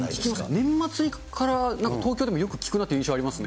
年末から東京でもよく聞くなという印象がありますね。